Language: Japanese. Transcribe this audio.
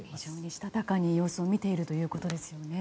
したたかに様子を見ているということですね。